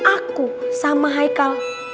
aku sama haikal